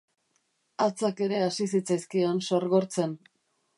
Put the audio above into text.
Hatzak ere hasi zitzaizkion sorgortzen.